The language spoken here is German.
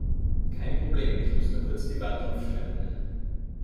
Kein Problem, ich muss nur kurz die Wand aufstemmen.